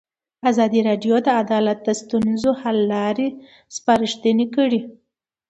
ازادي راډیو د عدالت د ستونزو حل لارې سپارښتنې کړي.